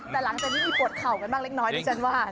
แต่หลังจากนี้มีปวดเข่ากันบ้างเล็กน้อยที่ฉันว่า